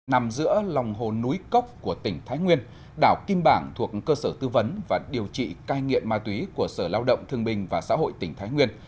nằm giữa lòng hồ núi cốc của tỉnh thái nguyên đảo kim bảng thuộc cơ sở tư vấn và điều trị cai nghiện ma túy của sở lao động thương bình và xã hội tỉnh thái nguyên